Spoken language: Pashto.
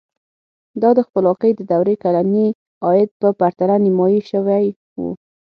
دا د خپلواکۍ د دورې کلني عاید په پرتله نیمايي شوی و.